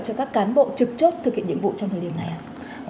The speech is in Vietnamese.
cho các cán bộ trực chốt thực hiện nhiệm vụ trong thời điểm này ạ